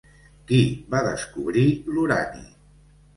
Qui va descobrir l'urani?